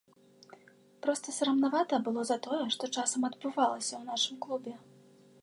Проста сарамнавата было за тое, што часам адбывалася ў нашым клубе.